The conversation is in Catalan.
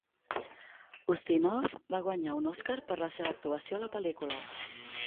Ustinov va guanyar un Oscar per la seva actuació a la pel·lícula.